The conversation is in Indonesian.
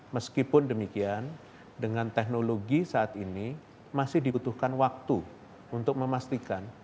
meskipun demikian dengan teknologi saat ini masih dibutuhkan waktu untuk memastikan